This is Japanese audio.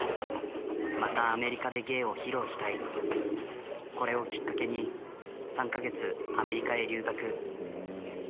またアメリカで芸を披露したいこれをきっかけに３カ月アメリカへ留学。